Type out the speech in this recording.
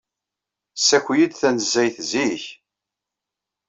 Ssaki-iyi-d tanezzayt zik.